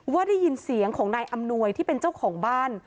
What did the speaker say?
ว่าได้ยินเสียงของนายอำนวยที่เป็นเจ้าของบ้าน